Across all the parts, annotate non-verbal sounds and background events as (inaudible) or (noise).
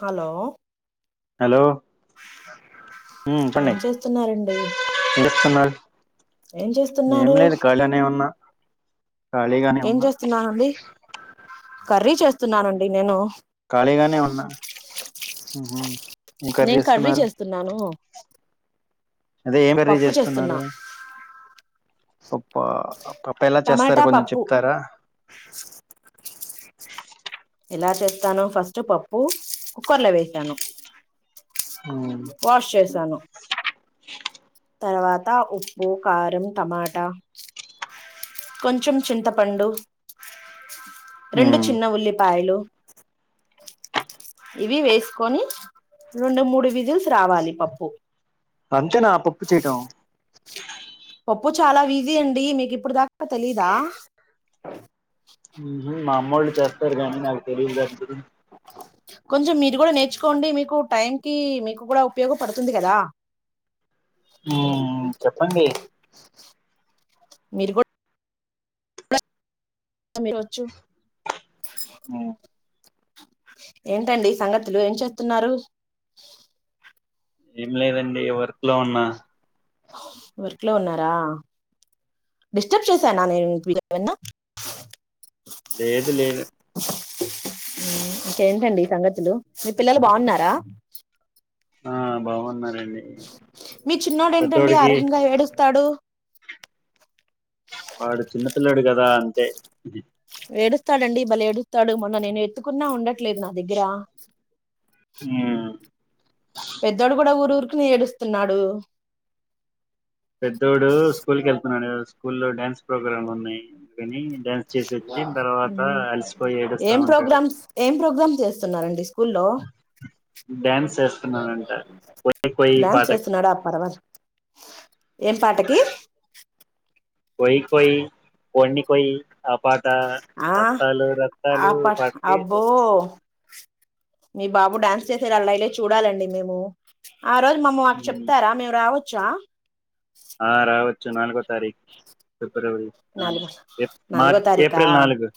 Hello హలోయ్ ఏం చేస్తున్నారండి ఏం చేస్తున్నారు ఏం ఏం చేస్తున్నారు లేదు ఖాళీగానే ఉన్నా ఖాళీగానే ఏం ఉన్నా చేస్తున్నారండి కర్రీ చేస్తున్నానండి నేను ఖాళీగానె ఉన్నా ఉహుమ్ నేను కర్రీ చేస్తున్నాను అదే ఏం కర్రీ పప్పు చేస్తున్నా చేస్తున్నారు పప్పా ఆ పప్పు ఎలా టమాటా చేస్తారు కొంచెం పప్పు చెప్తారా ఇలా చేస్తాను ఫస్ట్ పప్పు కుక్కర్ లో వేసాను అవును వాష్ చేశాను తర్వాత ఉప్పు కారం టమాటా కొంచెం చింతపండు రెండు ఉమ్ చిన్న ఉల్లిపాయలు ఇవి వేసుకొని రెండు మూడు వెస్సెల్ రావాలి పప్పు అంతేనా పప్పు చేయటం పప్పు చాలా విజి అండి మీకు ఇప్పుడు దాకా తెలీదా మామోలు చేస్తారు గానీ నాకు తెలీదు దాని గురించి కొంచెం మీరు కూడా నేర్చుకోండి మీకు టైం కి మీకు కూడా ఉపయోగపడుతుంది కదా ఆ చెప్పండి మీరు కూడా వచ్చు ఆఓ ఏంటండి సంగతులు ఏం చేస్తున్నారు ఏం లేదండి వర్క్ లో ఉన్నా వర్క్ లో ఉన్నారా డిస్టర్బ్ చేశాన్న నేను వ ఏమన్నా లేదు లేదు ఇంకేంటండి ఈ సంగతులు మీ పిల్లలు బాగున్నారా ఆ బాగున్నారండి మీ చిన్నడు ఏంటండి ఆ అర్హంగా ఏడు తడు వాడు చిన్నపిల్లడు కదా అంతే ఏడుస్తాడుడి బలే ఏడుస్తాడు మొన్న నేను ఎత్తుకున్నా ఉండట్ చెట్లేదు నా దగ్గర ఉమ్ పెద్దోడు కూడా ఊరు ఊరికి ఏడుస్తున్నాడు పెద్దోడు స్కూల్ కి వెళ్తున్నాడు స్కూల్ లో డ్యాన్స్ ప్రోగ్రామ్లు ఉన్నాయి అందుని డ్యాన్స్ చేసి వచ్చి తర్వాత అలసిపోయి ఏడుస్తా ఏం ఉంటాడు ప్రోగ్రామ్స్ ఏం ప్రోగ్రామ్ చేస్ తున్నారండిస్ స్కూల్లో డ్యాన్స్ చేస్తున్నానంట కొయి కొయి డ్యాన్స్ పాటకి చేస్తున్నాడా పర్వాజ్ ఏం పాటకి కొయి కోయి కోడిని కోయి ఆ పాట ర ఆ రతాలు ఆ రతాలు ప వాటికి అబ్బో మీ బాబు డ్యాన్స్ చేసేరు అళ్లే చూడాలండి మేము ఆ రోజు మమ్మ మాకు ఉమ్, చెప్తారా మేము రావ చ ఆ రావచ్చు నాలుగు తది ఫిబ్రవరి నాలుగో నాలుగో మార్చ్ తారీఖా ఏప్రిల్ నాలుగు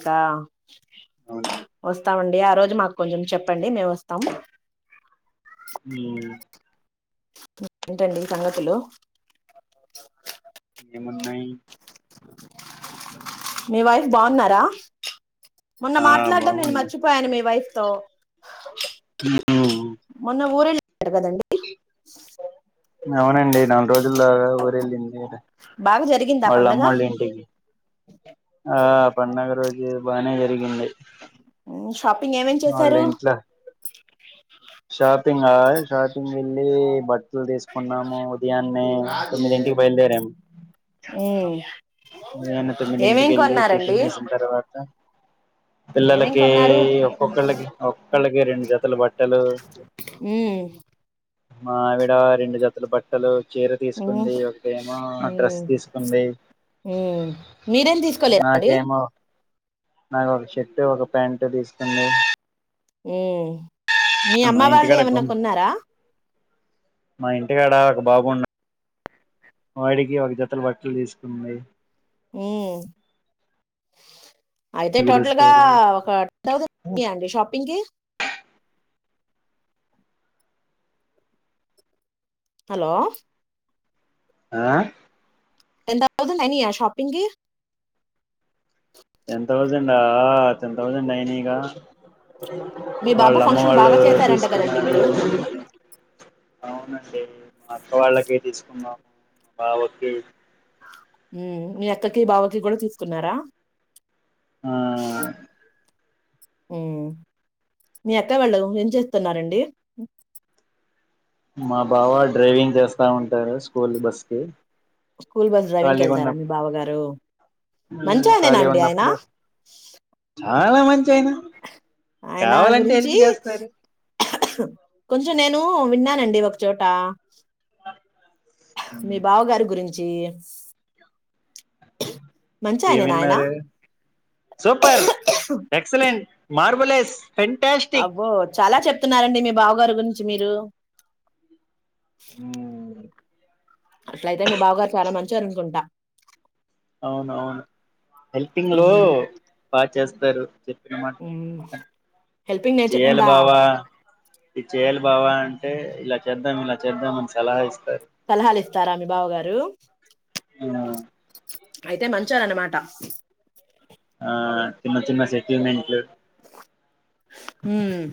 తా అవును వస్ వస్తామండి ఆ రోజు మాకు కొంచెం చెప్పండి మేము వస్తాము హు ఏంటండి సంగతులు ఏమున్నాయి మీ వైఫ్ బాగున్నారా మొన్న ఆ మాట్లాడం నేను బాగున్నాయి మర్చిపోయాను మీ వైఫ్ తో ఉమ్, మొన్న ఊరెల్లి అడగదండి అవునండి నాలుగు రోజులగా ఊరేళ్ళింది బాగా జరిగిందా వాళ్ళ పండగ అమ్మళ్ళ ఇంటికి ఆ పండగ రోజు బాగానే జరిగింది షాపింగ్ ఏమేం వాళ్ళ చేశారు ఇంట్లో షాపింగ్ గా షాపింగ్ వెళ్లి బట్టలు తీసుకున్నాము ఉదయాన్నే తొమ్మిది ఇంటికి బయలుదేరాము ఆ ఉదయాన్నే తొమ్మిది ఇంటికిళ్ళి టిఫిన్ చేసిన తర్వాత ఏమేం పిల్లలకి కొన్నారు ఒక్కొక్కళ్ళకి ఒక్కళ్ళకి రెండు జతల బట్టలు ఉమ్, మా ఆవిడ రెండు జతుల బట్టలు చీర ఉమ్, తీసుకుంది ఒకేమో డ్రెస్ ఉమ్. తీసుకుంది మీరేం తీసుకోలేద అండి నాకేమో నాకు ఒక షర్టు ఒక ప్యాంటు తీసుకుంది హ్మ్ మీ మా అమ్మ వాళ్ళు ఇంటికాడ ఏమన్నా కొన్నారా మా ఇంటిగాడ ఒక బాబున్నాడు వాడికి ఒక జతలు బట్టలు తీసుకుంది హ్మ్ అయితే టోటల్ గా పిలుస్తారు ఒక టు థౌసండ్ అండి షాపింగ్ కి హలో ఆ ఎంత థౌసండ్ అయినయా షాపింగ్ కి టెన్ థౌసండ్ ఆ టెన్ థౌసండ్ అయినాగా మీ బాబు వాళ్ళ అమ్మ ఫంక్షన్ వాళ్ళు బాగా చేశారంట గదండీ తీసుకున్నారు మీరు? అవునండి మా అక్క వాళ్ళకి తీసుకున్నాము మా బావకి హ్మ్ మీ అక్కకి బావకి కూడా తీసుకున్నారా ఆ హ్మ్ మీ అక్క వాళ్ళ ఏం చేస్తున్నరండి మా బావ డ్రైవింగ్ చేస్తా ఉంటారు స్కూల్ బస్ కి స్కూల్ బస్ డ్రైవింగ్క ఖాళీ ఉన్న వెళ్తారా మీ బావ గారు మంచి ఆయనేనా ఖాళీ అండి ఆయన ఉన్నప్పుడు చాలా మం ఆయన గురించి హెల్ప్ చేస్తారు కొంచెం నేను విన్నానండి ఒక చోటా మీ బావ గారి గురిం చి ఆయన? ఏమిన్నారు సూపర్ ఎక్సలెంట్ మార్బులే ఫెన్ంటాస్టిక్ అబ్బో చాలా చెప్తున్నారండి మీ బావ గారు గురించి మీరు అట్లయితే మీ బావ గారు చాలా మంచోరు అనుకుంటా అవును అవును హెల్పింగ్ లో హ్మ్ బా చేస్ సరు హ్మ్ హెల్పిింగ్ నేచర్ చేయాలి ఉందా బావా ఇది చేయ్యాలి బావా అంటే ఇలా చేద్దాం ఇలా చేద్దాం అని సలహా ఇస్తారు సలహాలు ఇస్తారా మీ బావ గారు ఆ అయితే మంచారన్నమాట ఆ చిన్న చిన్న సెటిల్మెంట్లు హ్మ్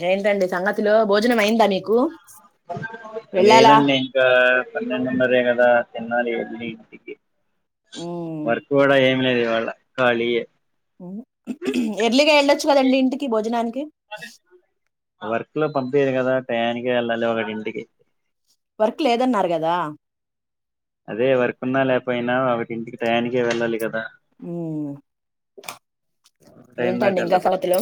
జైంతండి సంగతులు భోజనం అయిందా మీకు వెళ్ళాలా లేదండి ఇంకా పన్నెండు నరే గా దా తెన్నాలి వెళ్లి ఇంటికి హ్మ్ వర్క్ కూడ ఏ లేదు ఇవాళ్ళ కాలి ఏ ఎర్లీగా ఎళ్ళొచ్చు కదండి ఇంటికి భోజనానికి ఇంట్లో పంపిరు కదా టాయనికె వెళ్ళాలి ఇంటికి వర్క్ లేదన్నారు కదా అదే వర్కున్న లేకపోయినా వాటింటికి టాయానికే వెళ్ళాలి కదా హ్మ్ టైం ఏంటండి దాటి ఇంకా వెళ్ళకూడదు సంగతులు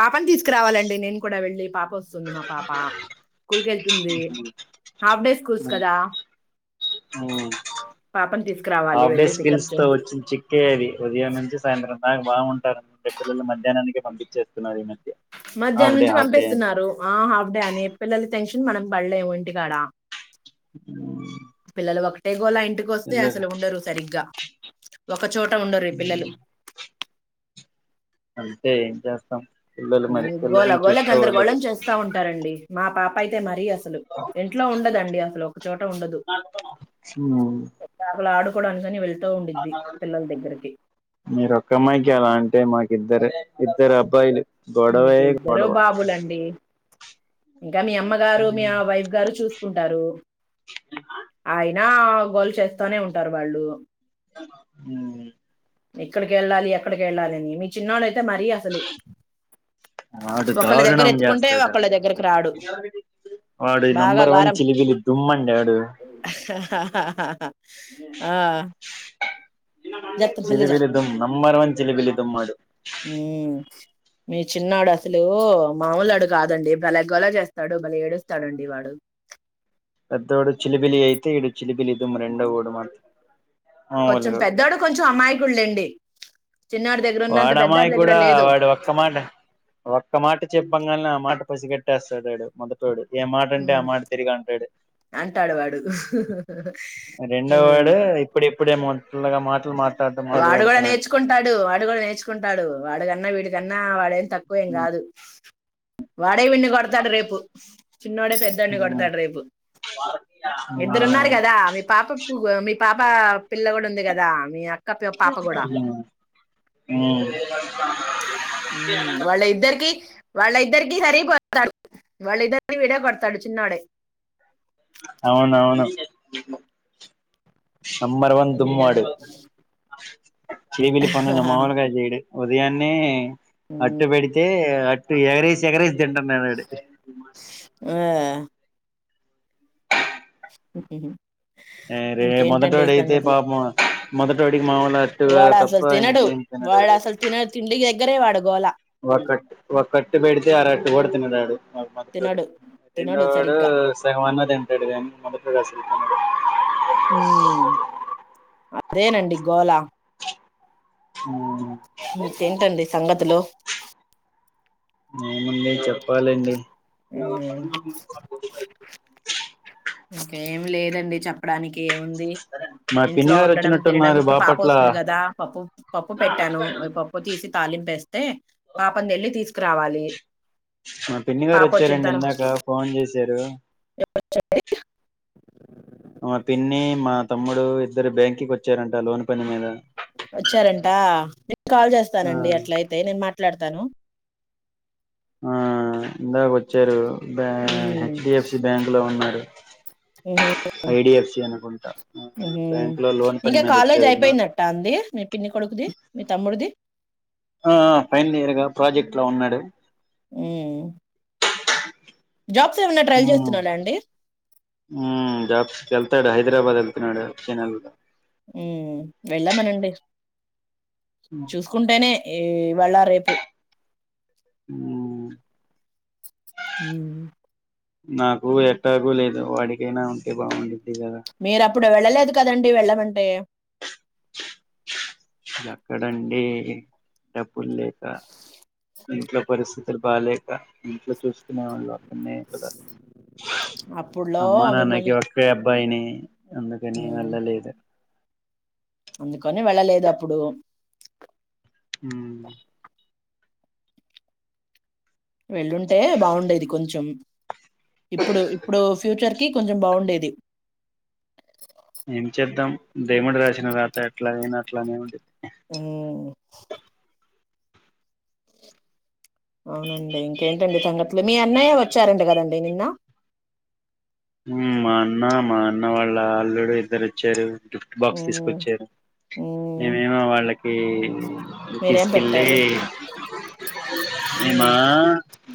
పాపనీ తీసుకురావాలండి నేను కూడ వెళ్లి పాప్ వస్తుంది మా పాప, స్కూల్ వెళ్తుంది హాఫ్ డే స్కల్స్ ఉమ్ కదా, ఉమ్ పాపని తీస్. హాఫ్ డే స్కిల్స్ తో వచ్చి న్ చి క్కే అది ఉదయం నుంచి సాయంత్రం దాకా బాగుంటారన్ అనుకుంటే పిల్లలు మధ్యాహ్నానికి పంపించేస్తున్నారు ఈ మధ్య. హాఫ్ మధ్యాహ్నం డే నుంచి హాఫ్ డే అని పంపిస్తున్నారు ఆ హాఫ్ డే అని పిల్లల్ టెన్షన్ మనం పడలేము ఇంటికాడ పిల్లలు వొక గోలా ఇంటికొస్తే పిల్లలు అసలు ఉండరు సరిగ్గా క చోట ఉండరు ఈ పిల్లలు అంతే ఏం చేస్తాం పిల్లలు ఊ మరి గోల పిల్లల్ని గోల చూసుకోవాలి గందరగోళం కదా చేస్తా ఉంటారండి మా పాపైతే మరీ అస్ సలు ఇంట్లో ఉండదండి అసలు క చోట ఉండదు (inaudible) ఆడు కొడానికని వెళ్ మీరొక్కమ్మాయికే అలా అంటే మాకిద్దరు ఇద్దరబ్బాయిలు గొడవే మీకు ఇద్దరు గొడవ బాబులండి ఇంకా మీ అమ్మగారు మీ ఆ వైఫ్ గారు చూస్ ఉంటారు హాయ్ ఆ గోలుసేస్తానే ఉంటారు వాళ్ళు హూ ఇక్కడికి వెళ్ళాలి అక్కడికి వెళ్ళాలి అని మీ చిన్నడుయితే మరీ అసలు వాడు ఒకళ్ళ దగ్గర దారుణం ఎత్తుకుంటే చేస్తాడు ఒకళ్ళ దగ్గరకి రాడు వాడు బాగా నంబర్ వన్ గారాబం చిలిబిలి దుమ్ అండి వాడు హుహ హహ హా ఆ జప్త మళ్ళీ చిలిబిలి దమ్ నంబర్ వన్ చిలిబిలి దమ్ వాడు హు మీ చిన్నాడు అసలు మాముూలోడు కాదండి బలేగోలా చేస్తాడు బలే ఏడుస్తాడుండి వాడు పెద్దోడు చిలిబిలి అయితే ఈడు చిలిబిలి దుమ్ రెండో వొడు మా కొంచెం పెద్దోడు కొంచెం అమాయి కుడు లేండి వాడు అమాయకుడా వాడు ఒక్క మాట ఒక్క మాట చెప్పంగాల్నే ఆ మాట పసి కెట్టేస్తాడు ఆడు మొదటోడు ఏ మాట అంటే ఆ ఉమ్, మాట తిరిగి అంటాడు అంటాడు వాడు రెండవ ఉమ్, వాడు ఇప్పుడు ఎప్పుడేమో అలాగా మాటలు మా వాడు కూడా నేర్చుకుంటాడు వాడు కూడా నేర్చు చకుంటాడు వాడుకన్నా వీడి కన్నా వాడ తక్కువ ఏం కాదు వాడే విన్నీ కొడతాడు రేపు చిన్నోడే పెద్దోడిని కొడతాడు రేపు ఇద్దరున్నారు కదా మీ పాప ఉగో మీ పాప పిల్ల కూడా ఉంది కదా మీ పి- హు పాప కూడా హు ఉమ్, వాళ్ళ ఇద్దరికి వాళ్ళ ఇద్దరికి సరిపోతాడు వాళ్ళిద్దరికి వీడే కొడతాడు చిన్నాడే అవును అవును నంబర్ వన్ ఉమ్. దుమ్మాడు చెలిబిలి పనులు మామూలుగా చేయడు ఉదయాన్నే అట్టు పెడితే అట్ టు ఎగరేసి ఎగరేసి తింటున్నాడు అడు ఆ, హుహుః అరే మొదటోడైతే పాపం మొదటడ్ వాడుసలు తినడు వాడుసలు తినే తిండికే దగ్గరే వాడుగోల ఒకక్కట్ ఒకక్కట్టు బేడితే అర అట్టు ఓడతన అ మా మొదతుడు తినడు తినడు రెండోడు సరిగ్గా సగమన్న తింటాడు కానీ మొదతుడు అసలు అ హ అదేనండి గోలా కేంటండి సంగతిలో ఏముంది చెప్పాలండి ఉమ్, (unintelligible) ఇంకేం లేదండి చెప్పడానికి ఏము మా పిన్ని ఇంట్లో గారు ఉండడం తినడం వచ్చినట్టున్నారు ఇప్పుడు పాప బాపట్ల వస్తుంది కదా పప్పు పప్పు పెట్టాను పప్పు తీసి తాలింపేస్తే పాపని జెల్లి తీసుకురావాలి మా పిన్ని గారు పాప వచ్చిన ఒచ్చారండి ఇందాక ఫోన్ చేసి జరు పే మా పిన్ని మా తమ్ముడు ఇద్దరు బ్యాంక్కి వచ్చారంట లోన్ పని మీద వచ్చారంటా కాల్ ఆ చేస్తానండి అట్ల అయితే నేను మాట్లాడతాను ఆ ఇందాక వచ్చారు బ హ్మ్ హెచ్డఎఫ్సి బ్యాంక్ లో ఉన్నారు ఉహు ఐడిఎఫ్సి అనుకుంట ఉహు బ్యాంక్ లో లోన్ పని ఇంకా మీద కాలేజ్ వచ్చేది నాకు అయిపోయిందట్ట అంది మీ పిన్ని కొడుకుది, మీ తమ్ముడిది. ఆ ఫైనల్ ఇయర్ గా ప్రాజెక్ట్ లో ఉన్నాడు అ చేస్తున్నాడా అండి? జాబ్స్కళ్తాడు హైదరాబాద్ అల్ డు చనా ఉ వెళ్ళామనడి చూసుకుంటేనే ఏ వెళ్ళ అ రేపు ఉమ్ హ నాకు ఎటాగూ లేదు వాడికైనా ఉంటే బాగుంది మీరు అప్పుడు వెళ్ళలేదు కదండి వెళ్ళమంటే అక్కడండి డబ్ ప్పు లేక ఇంట్లో పరిస్థితి పపాలక అట్ చూసుకునేవాళ్ళు అక్కనే కదా అప్పుడులో అమ్మా మిమ్మల్ని నాన్నకి ఒకే బైని అందుకనీ ఉమ్, వల్ల లేదు అందుకని వెళ్ళలేదు అప్పుడు మ్ వెళ్ళుంటే బాఉండేది కొంచెం ఇప్పుడు ఇప్పుడు ఫ్యూచర్ కి కొంచెం బాఉండేది దేముడి రాసిన రాత ఎట్లా ఏనా అట్లానే ఏమి ఉమ్, అవునండి ఇంకేంటండి సంగతులు మీ అన్నయ్య వచ్చారండి కదండి నిన్న మా అన్న మా అన్న వాళ్ళ అల్లుడు ఇద్దరు వచ్చారు గిఫ్ట్ బాక్స్ ఉమ్, తీసుకొచ్చారు ఉమ్, మేమేమో వాళ్ళకి మీరేం తీసుకెళ్ళి పెట్టారు ఏమా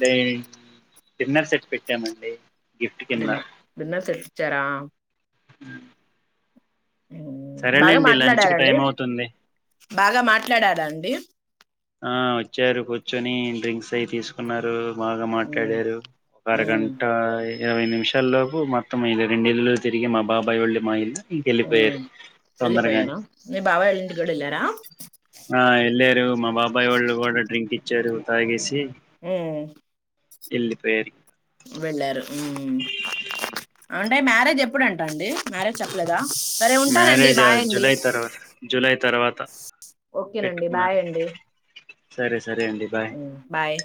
డిన్నర్ సెట్ పెట్టామండి గిఫ్ట్ కింద అన్నం తెచ్చిచ్చారా (inaudible) బాగా సరేలేండి లంచ్ కి మాట్లాడారండి టైం అవుతుంది బాగా మాట్లాడారా? ఎ ఆ వచ్చారు కూర్చొని డ్రింక్స్ అయి తీసుకున్నారు బాగా ఉమ్, మాట్లాడారు ఒక ఉమ్, అరగంటా ఇరవై నిమిషాల్లోపు మొత్తం ఇళ రెండు ఇళ్లో తిరిగి మాాబాయ్ళ్ళ మా ఇళ్ళు ఉం వెళ్ళిపోయారా నీ బాబాయ్ ఓళ్ళింటి కూడెల్లారా? బాయోల్లు గూడ డ్రిం ఇచ్చారు తాగేసి ఆ ఎల్లిపోయారు వెళ్ళారు మ్మ్. అంటే మ్యారేజ్ ఎప్పుడంటాండి మ్యారేజ్ చెప్పలేదా సరే ఉంటానండి మ్యారేజ్ బాయ్ అండి జూలై తర్వాత జూలై తర్వాత ఓకేనండి పెట్టుకున్నారు బాయ్ అండి సరే స సరే అండి బాయ్ మ్మ్, బాయ్